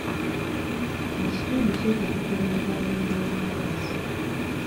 Ekitundu kyetegekera enzannya endala mu maaso.